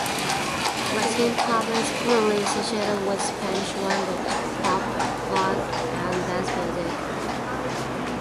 Latin pop is commonly associated with Spanish-language pop, rock, and dance music.